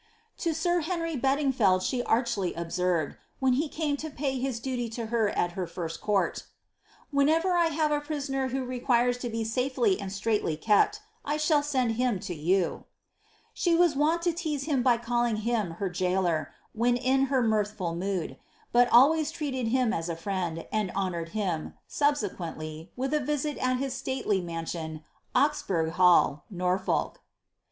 To sir Henry Bedingfeld she archly observed, when he came to pay his duly to her at her first court —'^ Whenever I have a prisoner who re quires to be safely and straitly kept, I shall send him to you." She was wont to tease him by calling him her jailor, when in her mirthful mood, but always treated him as a friend, and honoured him, subse quently, with a visit at his stately mansion, Oxburgh Ilall, Norfolk.